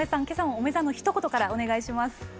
今朝もおめざのひと言からお願いします。